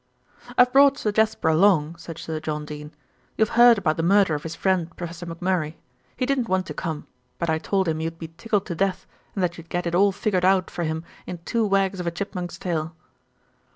"I've brought Sir Jasper along," said Sir John Dene. "You've heard about the murder of his friend Professor McMurray. He didn't want to come; but I told him you'd be tickled to death, and that you'd get it all figured out for him in two wags of a chipmunk's tail."